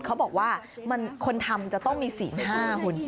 เขาบอกว่าคนทำจะต้องมีสินห้าหุ่น